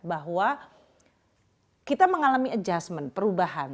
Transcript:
bahwa kita mengalami adjustment perubahan